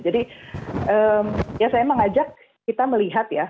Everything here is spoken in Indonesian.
jadi saya mengajak kita melihat ya